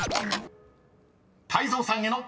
［泰造さんへの問題］